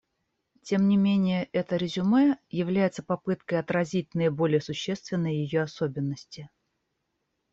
Тем не менее это резюме является попыткой отразить наиболее существенные ее особенности.